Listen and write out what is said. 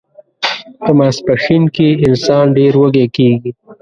په ماسپښین کې انسان ډیر وږی کیږي